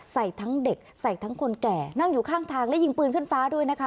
ใส่ทั้งเด็กใส่ทั้งคนแก่นั่งอยู่ข้างทางและยิงปืนขึ้นฟ้าด้วยนะคะ